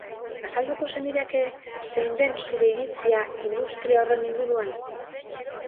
Azalduko zenidake zein den zure iritzia industria horren inguruan?